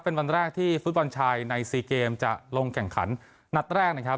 เป็นวันแรกที่ฟุตบอลชายใน๔เกมจะลงแข่งขันนัดแรกนะครับ